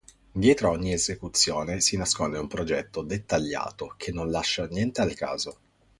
Dietro ogni esecuzione si nasconde un progetto dettagliato che non lascia niente al caso.